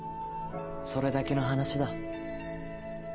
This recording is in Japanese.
それだけの話だ。